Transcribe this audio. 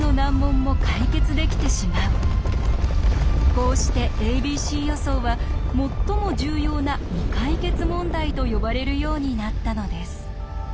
こうして「ａｂｃ予想」は最も重要な未解決問題と呼ばれるようになったのです。